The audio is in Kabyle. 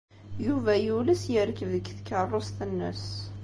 Yuba yules yerkeb deg tkeṛṛust-nnes.